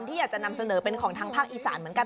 ที่อยากจะนำเสนอเป็นของทางภาคอีสานเหมือนกัน